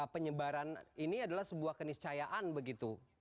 penyebaran ini adalah sebuah keniscayaan begitu